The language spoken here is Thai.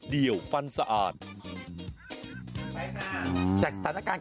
เดี๋ยวกลับมาครับ